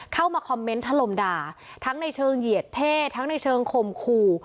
เข้ามาคอมเมนต์ทะลมด่าทั้งในเชิงเหยียดเพศทั้งในเชิงข่มขู่